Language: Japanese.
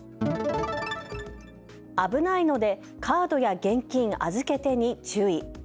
危ないのでカードや現金預けてに注意。